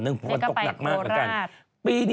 แล้วก็ไปโคราช